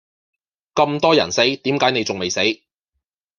咁多人死點解你仲未死？